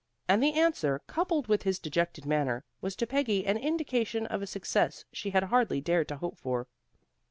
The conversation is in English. And the answer, coupled with his dejected manner, was to Peggy an indication of a success she had hardly dared to hope for.